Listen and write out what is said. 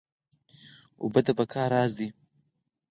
اوبه د بقا راز دي